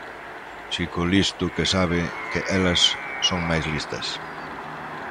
Chico listo que sabe que elas son máis listas.